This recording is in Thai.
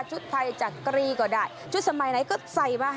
ชุดไทยจักรีก็ได้ชุดสมัยไหนก็ใส่มา